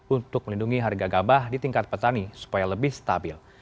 untuk melindungi harga gabah di tingkat petani supaya lebih stabil